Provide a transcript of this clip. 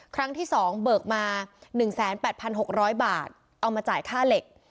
ครั้งที่๒เบิกมา๑๘๖๐๐บาทเอามาจ่ายค่าเหล็ก